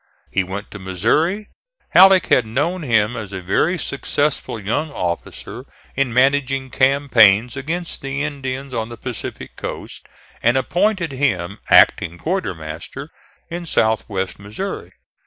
He went to Missouri. Halleck had known him as a very successful young officer in managing campaigns against the Indians on the Pacific coast, and appointed him acting quartermaster in south west Missouri.